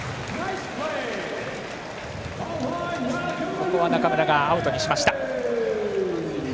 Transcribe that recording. ここは中村がアウトにしました。